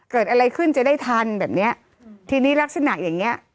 เกิดอะไรขึ้นจะได้ทันแบบเนี้ยทีนี้ลักษณะอย่างเงี้ย